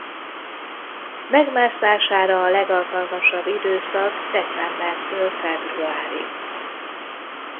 Megmászására a legalkalmasabb időszak decembertől februárig.